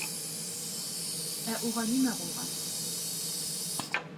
Ә уға нимә булған?